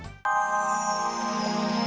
oh nah diganak sendiri